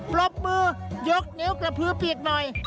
ปรบมือยกนิ้วกระพือเปียกหน่อย